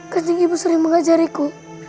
kencing ibu sering mengajariku